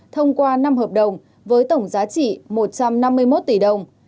thông qua năm hợp đồng với tổng giá trị một trăm năm mươi một tỷ đồng